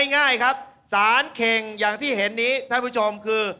ง่ายครับสารเข่งอย่างที่เห็นนี้ท่านผู้ชมคือ